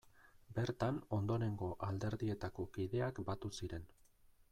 Bertan ondorengo alderdietako kideak batu ziren.